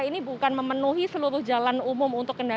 ini bukan memenuhi seluruh jalan umum untuk kendaraan